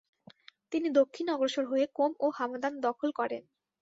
তিনি দক্ষিণে অগ্রসর হয়ে কোম ও হামাদান দখল করেন।